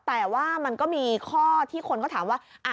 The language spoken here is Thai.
แต่ว่ามันก็มีข้อที่คนก็ถามว่า